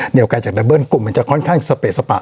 เดียวกันจากดับเบิ้ลกลุ่มมันจะค่อนข้างสเปสปะ